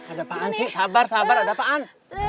ada apaan sih sabar sabar ada apaan